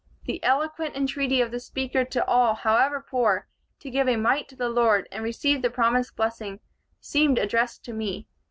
The eloquent entreaty of the speaker to all, however poor, to give a mite to the Lord, and receive the promised blessing, seemed addressed to me.